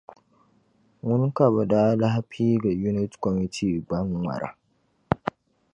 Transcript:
Ŋuni ka bɛ daa lahi piigi Unit Kɔmitii gbaŋ' ŋmara.